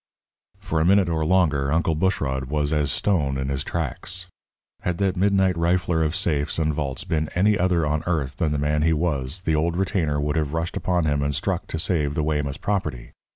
For a minute or longer Uncle Bushrod was as stone in his tracks. Had that midnight rifler of safes and vaults been any other on earth than the man he was, the old retainer would have rushed upon him and struck to save the Weymouth property.